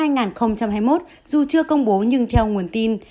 năm hai nghìn hai mươi một dù chưa công bố nhưng theo nguồn tin